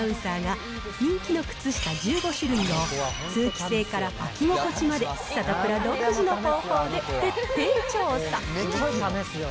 そこで清水アナウンサーが、人気の靴下１５種類を、通気性から履き心地まで、サタプラ独自の方法で徹底調査。